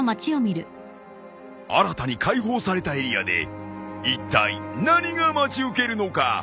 新たに開放されたエリアでいったい何が待ち受けるのか。